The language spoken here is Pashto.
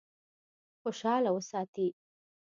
خوشاله وساتي.